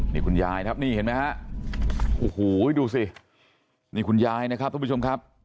นี่คุณยายครับนี่เห็นไหมฮะโอ้โหดูสินี่คุณยายนะครับทุกผู้ชมครับ